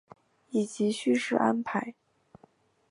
以及叙事安排